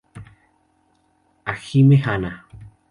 Hajime Hana